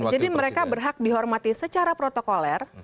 jadi mereka berhak dihormati secara protokoler